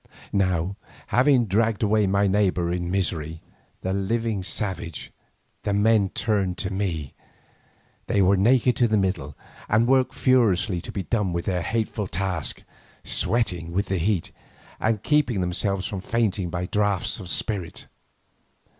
Now, having dragged away my neighbour in misery, the living savage, the men turned to me. They were naked to the middle, and worked furiously to be done with their hateful task, sweating with the heat, and keeping themselves from fainting by draughts of spirit.